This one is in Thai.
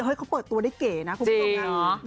เขาเปิดตัวได้เก๋นะคุณผู้ชมนะ